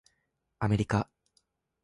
アメリカ